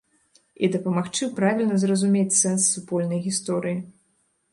І дапамагчы правільна зразумець сэнс супольнай гісторыі.